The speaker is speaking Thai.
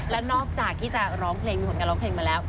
และนอกจากที่จะร้องเพลงผลการร้องเพลงมาแล้ว